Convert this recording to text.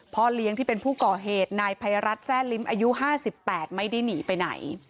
พ่อเลี้ยงที่เป็นผู้ก่อเหตุนายภัยรัฐแซ่ลิ้มอายุ๕๘ไม่ได้หนีไปไหน